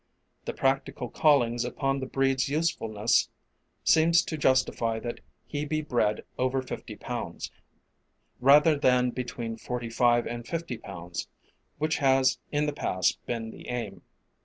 The practical callings upon the breed's usefulness seems to justify that he be bred over 50 pounds, rather than between 45 and 50 pounds, which has in the past been the aim.